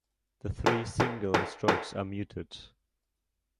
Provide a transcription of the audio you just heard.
The three single strokes are muted.